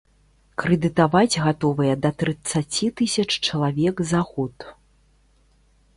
Крэдытаваць гатовыя да трыццаці тысяч чалавек за год.